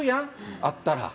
あったら。